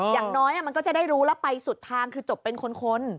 อย่างน้อยมันก็จะได้รู้แล้วไปสุดทางคือจบเป็นคน